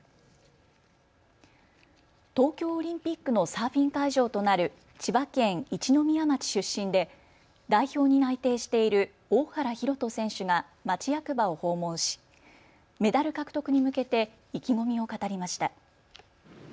東京オリンピックのサーフィン会場となる千葉県一宮町出身で代表に内定している大原洋人選手が町役場を訪問し、メダル獲得に向けて意気込みを語りました。